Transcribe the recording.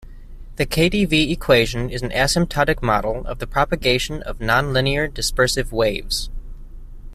The KdV equation is an asymptotic model of the propagation of nonlinear dispersive waves.